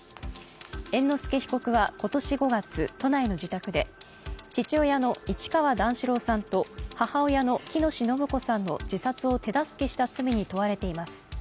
猿之助被告は今年５月、都内の自宅で父親の市川段四郎さんと母親の喜熨斗延子さんの自殺を手助けした罪に問われています。